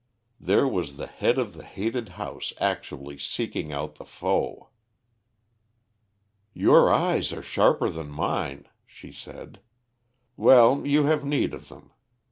There was the head of the hated house actually seeking out the foe. "Your eyes are sharper than mine," she said. "Well, you have need of them.